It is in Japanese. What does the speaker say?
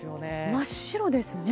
真っ白ですね。